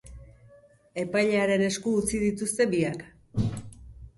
Epailearen esku utzi dituzte biak.